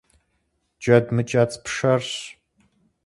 Джэд мыкӏэцӏ пшэрщ.